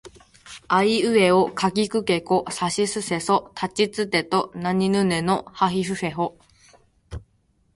あいうえおかきくけこさしすせそたちつてとなにぬねのはひふへほ